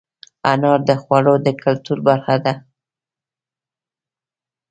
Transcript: انار د خوړو د کلتور برخه ده.